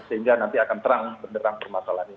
sehingga nanti akan terang benderang permasalahan ini